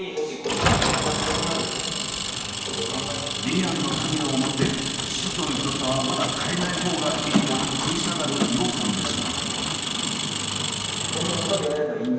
リアンのためを思ってシートの広さはまだ変えない方がいいと食い下がる葉さんですが。